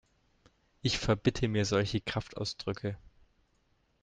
Ich verbitte mir solche Kraftausdrücke!